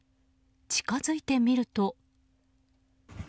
近づいてみると。